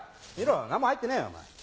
何も入ってねえよ。